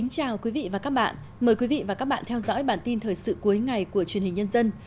chào mừng quý vị đến với bản tin thời sự cuối ngày của truyền hình nhân dân